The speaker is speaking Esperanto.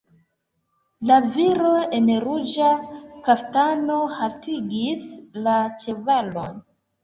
La viro en ruĝa kaftano haltigis la ĉevalon.